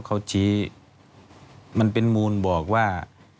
เขาชี้มันเป็นมูลบอกว่า